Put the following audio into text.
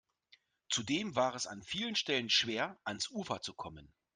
Zudem war es an vielen Stellen schwer, ans Ufer zu kommen.